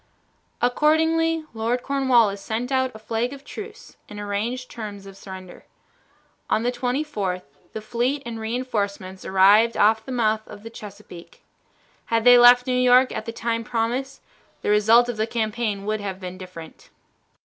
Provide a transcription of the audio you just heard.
Accordingly Lord Cornwallis sent out a flag of truce and arranged terms of surrender. On the 24th the fleet and re enforcements arrived off the mouth of the Chesapeake. Had they left New York at the time promised, the result of the campaign would have been different.